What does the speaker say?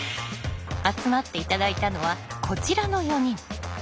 集まって頂いたのはこちらの４人。